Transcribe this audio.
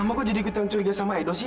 emang kok jadi ikutan curiga sama edo sih